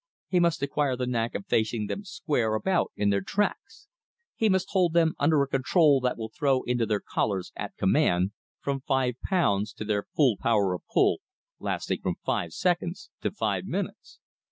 He must acquire the knack of facing them square about in their tracks. He must hold them under a control that will throw into their collars, at command, from five pounds to their full power of pull, lasting from five seconds to five minutes.